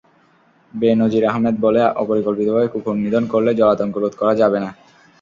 বে-নজীর আহমেদ বলে, অপরিকল্পিতভাবে কুকুর নিধন করলে জলাতঙ্ক রোধ করা যাবে না।